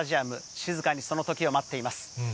静かにそのときを待っています。